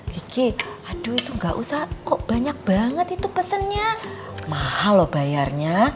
dikit aduh itu gak usah kok banyak banget itu pesennya mahal loh bayarnya